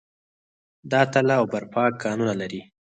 د تاله او برفک کانونه لري